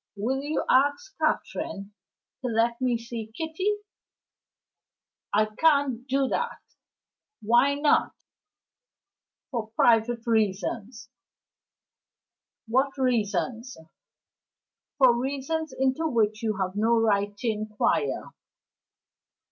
Will you ask Catherine to let me see Kitty?" "I can't do it." "Why not?" "For private reasons." "What reasons?" "For reasons into which you have no right to inquire."